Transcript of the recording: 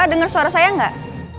kak denger suara saya gak